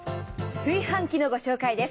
炊飯器のご紹介です。